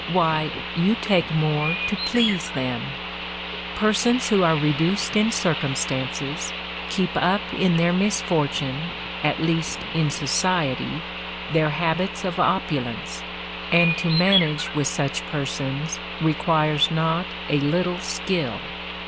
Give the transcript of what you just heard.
Why, you take more to please them! Persons who are reduced in circumstances, keep up in their misfortune (at least in society) their habits of opulence; and to manage with such persons requires not a little skill.